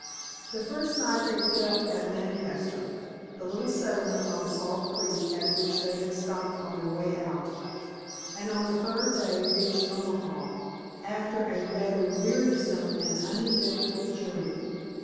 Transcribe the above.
The first night they put up at Lancaster, the little settlement on Salt Creek at which they had stopped on their way out, and the third day reached Omaha, after a rather wearisome and uneventful journey.